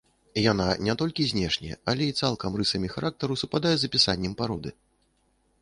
Яна не толькі знешне, але і цалкам рысамі характару супадае з апісаннем пароды!